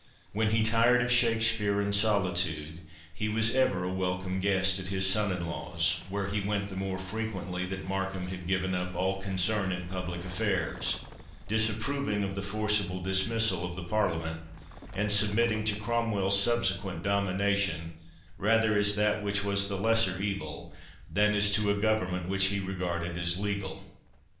When he tired of Shakspeare and solitude, he was ever a welcome guest at his son in law's, where he went the more frequently that Markham had given up all concern in public affairs, disapproving of the forcible dismissal of the Parliament, and submitting to Cromwell's subsequent domination, rather as that which was the lesser evil, than as to a government which he regarded as legal.